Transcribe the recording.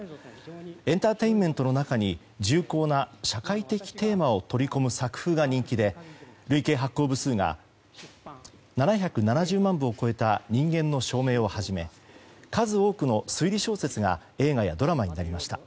エンターテインメントの中に重厚な社会的テーマを取り込む作風が人気で累計発行部数が７７０万部を超えた「人間の証明」をはじめ数多くの推理小説が映画やドラマになりました。